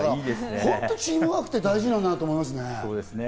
本当にチームワークって大事なんだなと思いますね。